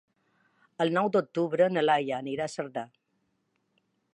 El nou d'octubre na Laia anirà a Cerdà.